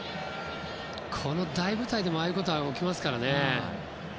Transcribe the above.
この大舞台でもああいうことは起きますからね。